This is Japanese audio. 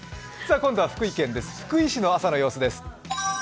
今度は福井県の朝の様子です。